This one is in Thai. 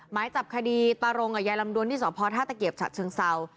หมายจับคดีตารงอ่ะยายลำดวนที่สตภาคัตเกียรชัดเชิงเสา